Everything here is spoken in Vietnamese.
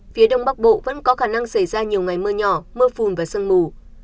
phía đông bắc bộ vẫn có khả năng xảy ra nhiều ngày mưa nhỏ mưa phùn và sương mù